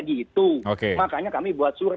gitu makanya kami buat surat